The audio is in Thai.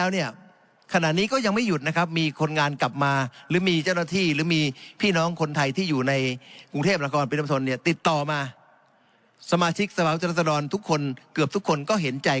ติดต่อมาสมาชิกสภาพพุทธรศรรษรรวรณทุกคนเกือบทุกคนก็เห็นใจ